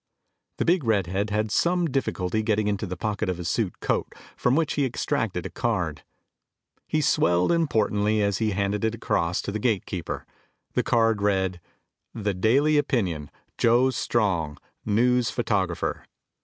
The big redhead had some difficulty getting into the pocket of his suit coat from which he extracted a card. He swelled importantly as he handed it across to the gate keeper. The card read, "The Daily Opinion. Joe Strong, News Photographer."